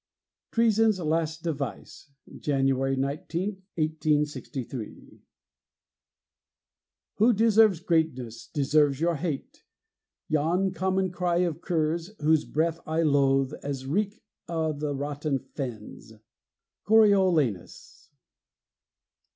TREASON'S LAST DEVICE [January 19, 1863] "Who deserves greatness Deserves your hate.... Yon common cry of curs, whose breath I loathe As reek o' the rotten fens." CORIOLANUS.